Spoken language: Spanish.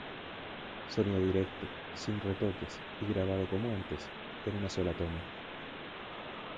Sonido directo, sin retoques y grabado como antes, en una sola toma.